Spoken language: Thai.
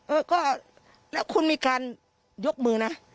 เออก็แล้วคุณมีการยกมือนะ